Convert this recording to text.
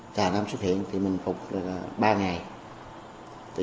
thàm nam xứ thiện thì mình phục ba ngày